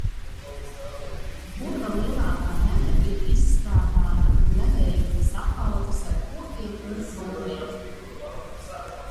Purva lielākā daļa ir izstrādāta un daļēji tas apaudzis ar kokiem un krūmiem.